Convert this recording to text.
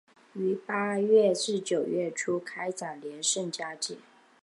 于八月至九月初展开连胜佳绩。